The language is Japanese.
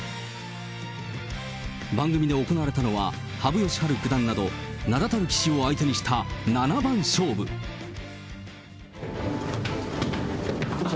番組で行われたのは羽生善治九段など、名だたる棋士を相手にしたこんにちは。